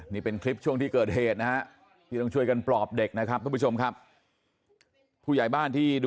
บ้านหลังขอร้องอย่าเพิ่งพูด